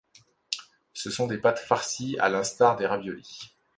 Ce sont des pâtes farcies à l'instar des raviolis.